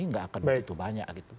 nggak akan begitu banyak gitu